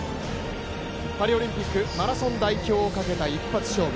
パリオリンピックマラソン代表をかけた一発勝負。